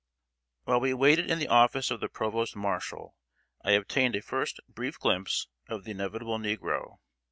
] While we waited in the office of the Provost Marshal, I obtained a first brief glimpse of the inevitable negro.